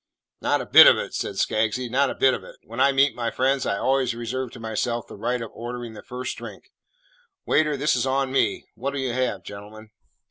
"Not a bit of it," said Skaggsy, "not a bit of it. When I meet my friends I always reserve to myself the right of ordering the first drink. Waiter, this is on me. What 'll you have, gentlemen?"